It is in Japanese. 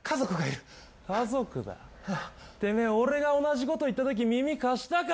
てめえ俺が同じこと言ったとき耳貸したか？